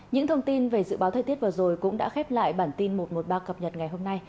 những thông tin về dự báo thời tiết vừa rồi cũng đã khép lại bản tin một trăm một mươi ba cập nhật ngày hôm nay